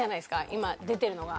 今出てるのが。